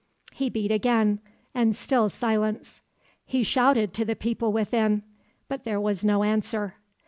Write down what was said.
He beat again, and still silence. He shouted to the people within, but there was no answer.